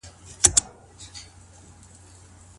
ایا اسلام موږ ته د حالاتو مطابق د مقايسې حکم کړی دی؟